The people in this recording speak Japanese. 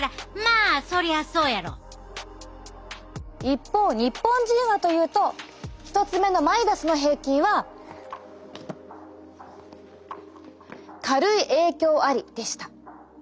一方日本人はというと１つ目のマイダスの平均は軽い影響ありでした。